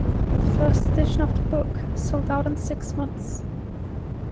The first edition of the book sold out in six months.